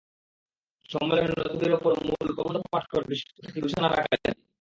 সম্মেলনে নজরুলের ওপর মূল প্রবন্ধ পাঠ করেন বিশেষ অতিথি গুলশান আরা কাজী।